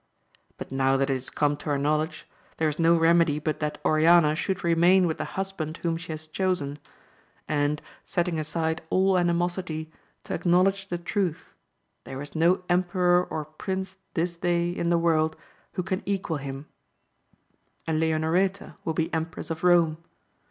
But now that it is come to our knowledge, there is no remedy but that Oriana should remain with the husband whom she has chosen, and, setting aside all animosity, to acknowledge the truth, there is no emperor or prince this day in the world who can equal him ; and Leonoreta will be Empress of Kome.